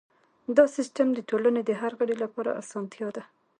دا سیستم د ټولنې د هر غړي لپاره اسانتیا ده.